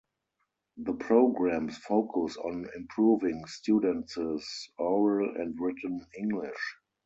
The programs focus on improving students' oral and written English.